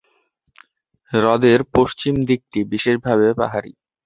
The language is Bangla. হ্রদের পশ্চিম দিকটি বিশেষভাবে পাহাড়ি।